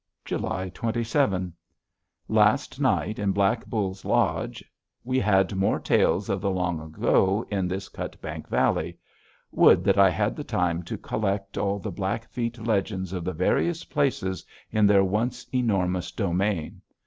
[Illustration: CUTBANK RIVER. A GOOD TROUT RIFFLE] July 27. Last night, in Black Bull's lodge, we had more tales of the long ago in this Cutbank Valley. Would that I had the time to collect all the Blackfeet legends of the various places in their once enormous domain.